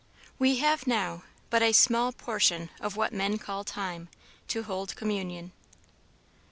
We have now But a small portion of what men call time, To hold communion.